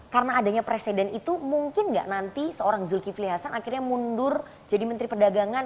karena adanya presiden itu mungkin gak nanti seorang zulkifli hasan akhirnya mundur jadi menteri perdagangan